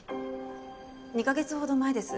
２カ月ほど前です。